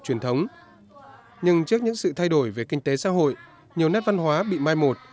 truyền thống nhưng trước những sự thay đổi về kinh tế xã hội nhiều nét văn hóa bị mai một